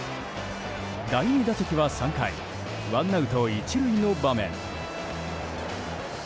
第２打席は３回ワンアウト１塁の場面。